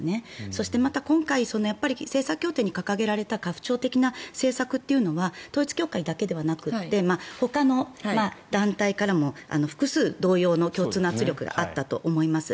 そして、また今回政策協定に掲げられた家父長的な政策は統一教会だけでなくてほかの団体からも複数同様の圧力があったと思います。